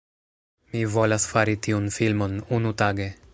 Mi volas fari tiun filmon, unutage